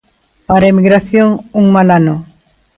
Para a emigración, un mal ano.